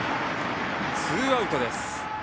ツーアウトです。